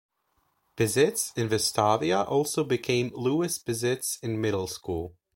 Pizitz in Vestavia also became Louis Pizitz Middle School.